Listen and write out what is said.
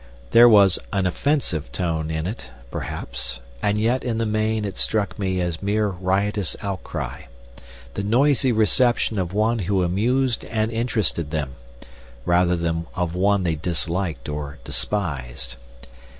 There was an offensive tone in it, perhaps, and yet in the main it struck me as mere riotous outcry, the noisy reception of one who amused and interested them, rather than of one they disliked or despised.